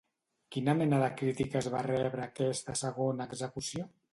Quina mena de crítiques va rebre aquesta segona execució?